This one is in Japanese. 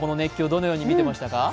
どのように見てましたか。